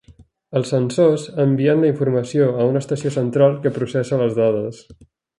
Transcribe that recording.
Els sensors envien la informació a una estació central que processa les dades.